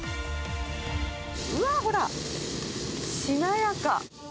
うわー、ほら、しなやか。